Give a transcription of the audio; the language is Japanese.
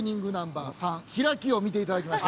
を見ていただきました。